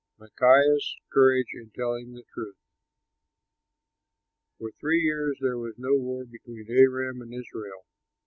MICAIAH'S COURAGE IN TELLING THE TRUTH For three years there was no war between Aram and Israel.